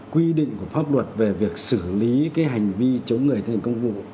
quy định của pháp luật về việc xử lý cái hành vi chống người thi hành công vụ